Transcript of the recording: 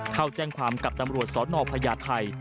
เข้าแจ้งความกับตำรวจสนพญาไทย